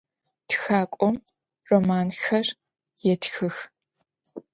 Txak'om romanxer yêtxıx.